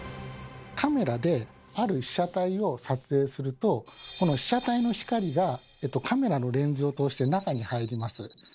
カメラである被写体を撮影するとこの被写体の光がカメラのレンズを通して中に入ります。